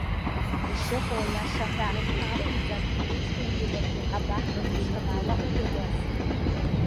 Ишыҟоу аиаша ҳәа, акәымзар уҷкәынгьы уаргьы абахҭа шәышҭабаауа удыруаз!